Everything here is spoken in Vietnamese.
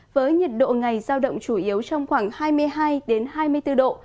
với nhiệt độ ngày giao động chủ yếu trong khoảng hai mươi hai hai mươi bốn độ